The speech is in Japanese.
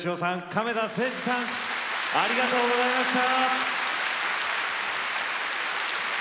亀田誠治さんありがとうございました。